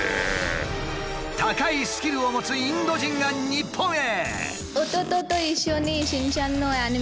高いスキルを持つインド人が日本へ。